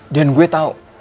dan gue tau